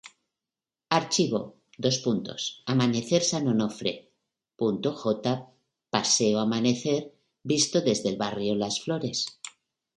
Archivo:AmanecerSanOnofre.jpg|Amanecer, visto desde el barrio Las Flores.